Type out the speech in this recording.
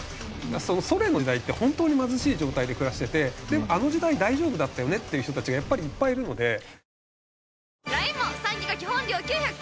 ソ連の時代って本当に貧しい状態で暮らしててでもあの時代大丈夫だったよねっていう人たちがやっぱりいっぱいいるので。